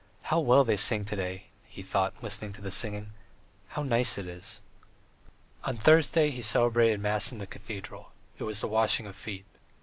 "How well they sing to day!" he thought, listening to the singing. "How nice it is!" IV On Thursday he celebrated mass in the cathedral; it was the Washing of Feet.